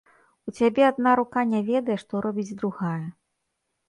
У цябе адна рука не ведае, што робіць другая.